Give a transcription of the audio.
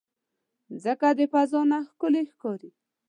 مځکه د فضا نه ښکلی ښکاري.